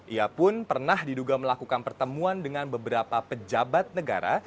ia pun pernah diduga melakukan pertemuan dengan beberapa pejabat negara